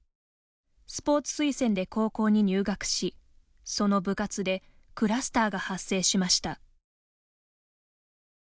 スポーツ推薦で高校に入学しその部活でクラスターが発生しました。